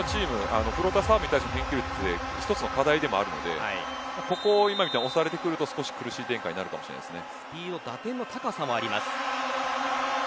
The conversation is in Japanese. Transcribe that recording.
日本のチームフローターサーブに対する返球率は１つの課題でもあるのでここを今のように押されてくると１つ苦しい展開になるかもしれませんね。